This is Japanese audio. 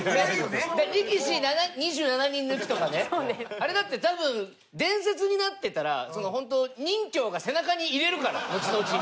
あれだって多分伝説になってたら本当任侠が背中に入れるからのちのち。